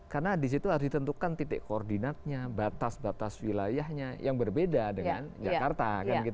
karena di situ harus ditentukan titik koordinatnya batas batas wilayahnya yang berbeda dengan jakarta